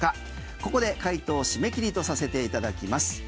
ここで解答締め切りとさせていただきます。